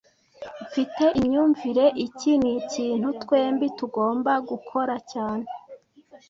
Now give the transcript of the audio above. Mfite imyumvire iki nikintu twembi tugomba gukora cyane